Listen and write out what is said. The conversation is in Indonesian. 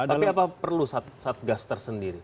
tapi apa perlu satgas tersendiri